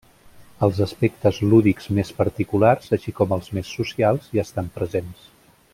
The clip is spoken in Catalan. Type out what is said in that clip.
Els aspectes lúdics més particulars així com els més socials hi estan presents.